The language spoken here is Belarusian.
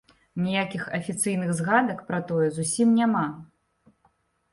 Ніякіх афіцыйных згадак пра тое зусім няма.